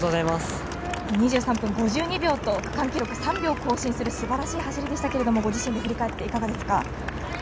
２３分５２秒と区間記録３秒更新するすばらしい走りでしたけどもご自身で振り返っていかがですか。